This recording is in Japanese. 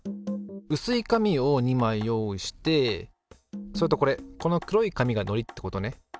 うすい紙を２枚用意してそれとこれこの黒い紙がのりってことね。